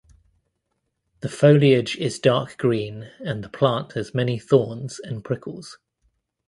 The foliage is dark green and the plant has many thorns and prickles.